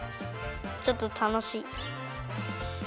ちょっとたのしい。